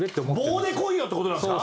棒でこいよって事なんですか？